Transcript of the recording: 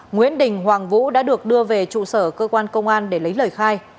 nguyễn đình hoàng vũ đã được đưa về trụ sở cơ quan công an để lấy lời khai